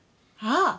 ああ。